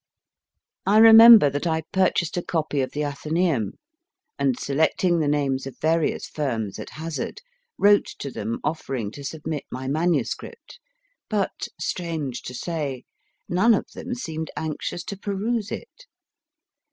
I re member that I purchased a copy of the Athenceum, and selecting the names of various firms at hazard, wrote to them offering to submit my manuscript, but, strange to say, none of them seemed anxious to peruse it.